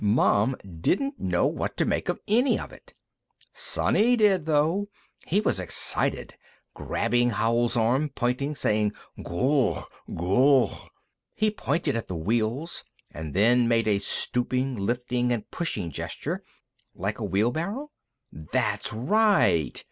Mom didn't know what to make of any of it. Sonny did, though; he was excited, grabbing Howell's arm, pointing, saying, "Ghroogh! Ghroogh!" He pointed at the wheels, and then made a stooping, lifting and pushing gesture. Like wheelbarrow? "That's right."